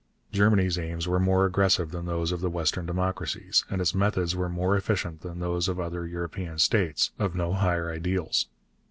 Germany's aims were more aggressive than those of the western democracies, and its methods were more efficient than those of other European states of no higher ideals.